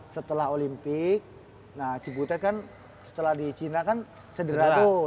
setelah olimpik nah cibutet kan setelah di china kan cedera tuh